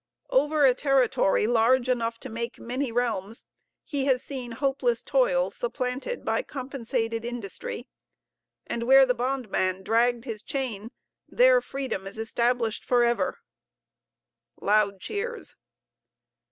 Over a territory large enough to make many realms, he has seen hopeless toil supplanted by compensated industry; and where the bondman dragged his chain, there freedom is established for ever. (Loud cheers.)